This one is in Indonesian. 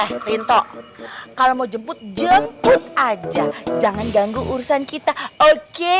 eh rinto kalau mau jemput jemput aja jangan ganggu urusan kita oke